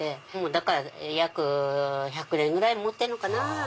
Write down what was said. だから約１００年ぐらい持ってんのかな。